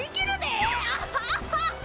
アハハハハ！